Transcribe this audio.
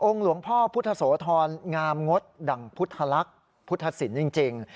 หลวงพ่อพุทธโสธรงามงดดั่งพุทธลักษณ์พุทธศิลป์จริง